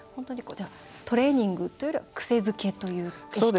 トレーニングというよりは癖づけという意識。